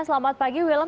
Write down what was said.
selamat pagi wilom